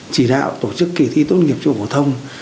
chỉ đạo tổ chức kỳ thi tốt nghiệp trung học phổ thông